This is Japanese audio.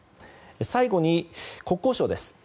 最後に国交省です。